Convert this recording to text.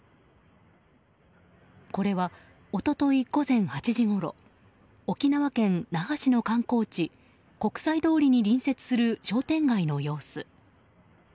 これは一昨日午前８時ごろ沖縄県那覇市の観光地国際通りに隣接する商店街の様子。